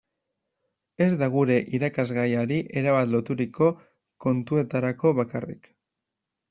Ez da gure irakasgaiari erabat loturiko kontuetarako bakarrik.